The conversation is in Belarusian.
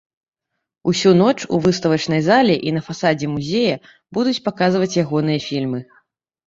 Усю ноч у выставачнай зале і на фасадзе музея будуць паказваць ягоныя фільмы.